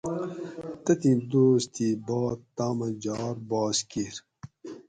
تتھی دوس تھی باد تامہ جھار باس کِیر